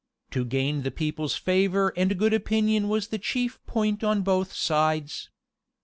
To gain the people's favor and good opinion was the chief point on both sides.